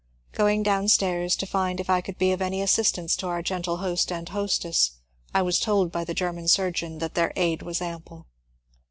Going down stairs to find if I could be of any assistance to our gentle host and hostess, I was told by the German surgeon that their aid was ample.